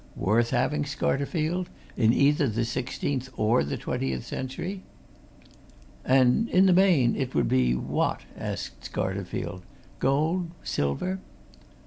Worth having, Scarterfield! in either the sixteenth or the twentieth century." "And, in the main, it would be what?" asked Scarterfield. "Gold, silver?"